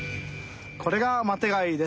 これがマテ貝です。